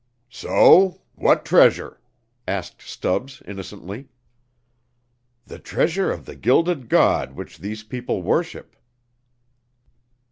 "So? What treasure?" asked Stubbs, innocently. "The treasure of the Gilded God which these people worship."